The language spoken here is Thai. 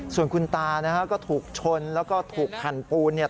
ส่วนคุณตานะฮะก็ถูกชนแล้วก็ถูกแผ่นปูนเนี่ย